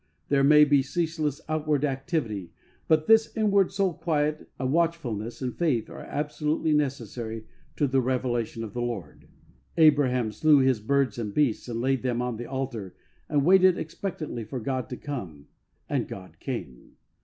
There may be ceaseless outward activity; but this inward soul quiet and watch fulness and faith are absolutely necessary to the revelation of the Lord. Abraham slew his birds and beasts and laid them on the altar and waited expectantly for God to come, and God came.